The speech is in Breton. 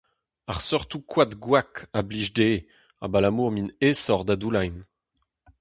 Ar seurtoù koad gwak a blij dezhe abalamour m'int aesoc'h da doullañ.